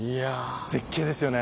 絶景ですよね。